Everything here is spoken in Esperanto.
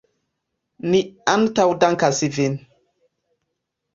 Ni antaŭdankas vin!